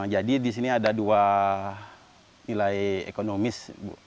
jadi di sini ada dua nilai ekonomis